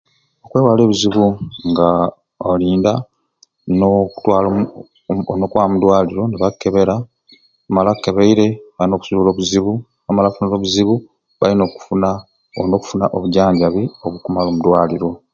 Okwewala obuzibu nga oli nda nokutwala omukono okwaba omudwaliro nibakeebera nibamala akebeire nibazula obuzibu nibamala bafunire obuzibu bayina okufuna olina okufuna obujanjabi obukumala omudwaliro.